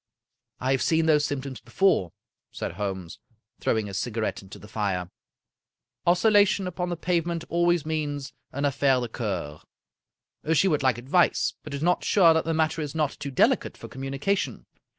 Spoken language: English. " I have seen those symptoms before," said Holmes, throwing his cigarette into the fire. " Oscillation upon the pavement always means an affaire de cceur. She would like advice, but is not sure that the matter is not too deli cate for communication.